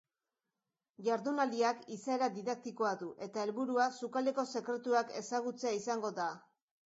Jardunaldiak izaera didaktikoa du eta helburua sukaldeko sekretuak ezagutzea izango da.